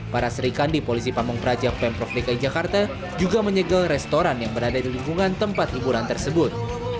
para serikandi polisi pamung praja pemprov dki jakarta juga menyegel restoran yang berada di lingkungan tempat hiburan tersebut